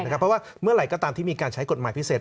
เพราะว่าเมื่อไหร่ก็ตามที่มีการใช้กฎหมายพิเศษ